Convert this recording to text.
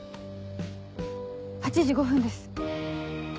８時５分です。